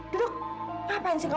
kamu senang banget kan